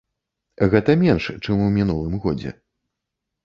Гэта менш, чым у мінулым годзе.